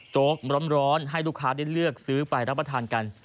โจ๊กร้อนให้ลูกค้าได้เลือกซื้อไปรับประทานกัน